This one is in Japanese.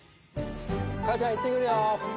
母ちゃん、行ってくるよー。